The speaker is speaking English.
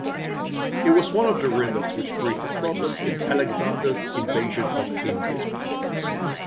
It was one of the rivers which created problems in Alexander's invasion of India.